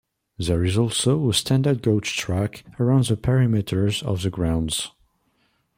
There is also a standard gauge track around the perimeter of the grounds.